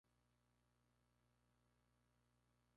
Está ubicado en el noroeste de la provincia.